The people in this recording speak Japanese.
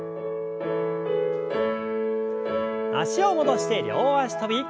脚を戻して両脚跳び。